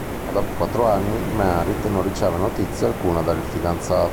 Ma dopo quattro anni Marit non riceve notizia alcuna dal fidanzato.